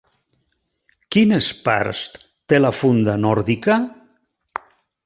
Quines parts té la funda nòrdica?